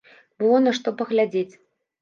Было на што паглядзець.